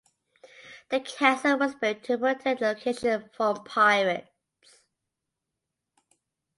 The castle was built to protect the location from pirates.